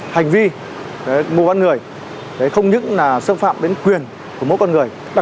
hành vi mua bán người không những là xâm phạm đến quyền của mỗi con người